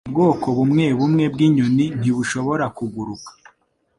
Ubwoko bumwebumwe bwinyoni ntibushobora kuguruka.